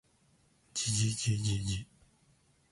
じじじじじ